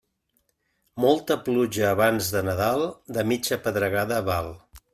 Molta pluja abans de Nadal, de mitja pedregada val.